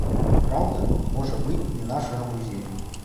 Праўда, можа быць, не нашага музею.